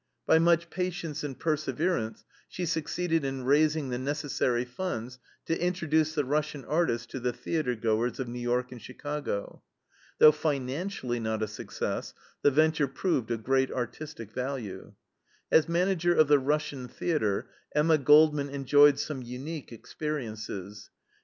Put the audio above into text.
By much patience and perseverance she succeeded in raising the necessary funds to introduce the Russian artists to the theater goers of New York and Chicago. Though financially not a success, the venture proved of great artistic value. As manager of the Russian theater Emma Goldman enjoyed some unique experiences.